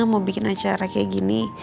mau bikin acara kayak gini